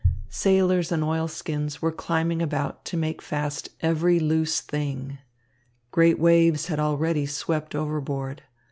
Sailors in oilskins were climbing about to make fast every loose thing. Great waves had already swept overboard.